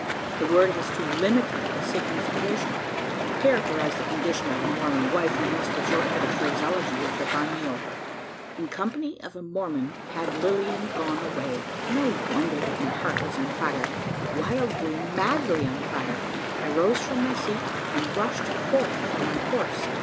the word has too limited a signification. To characterise the condition of a Mormon wife, we must resort to the phraseology of the bagnio. In company of a Mormon had Lilian gone away! No wonder that my heart was on fire wildly, madly on fire. I rose from my seat, and rushed forth for my horse.